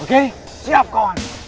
oke siap kawan